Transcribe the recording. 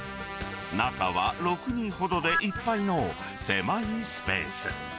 中は６人ほどでいっぱいの狭いスペース。